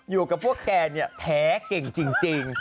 อยู่กับพวกแกแท้เก่งจริง